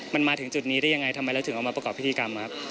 มันมาถึงจุดนี้ได้ยังไงทำไมเราถึงเอามาประกอบพิธีกรรมครับ